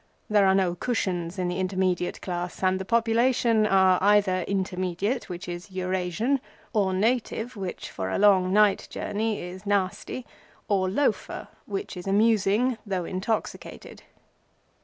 There are no cushions in the Intermediate class, and the population are either Intermediate, which is Eurasian, or native, which for a long night journey is nasty; or Loafer, which is amusing though intoxicated.